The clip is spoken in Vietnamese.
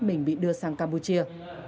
mình bị đưa sang campuchia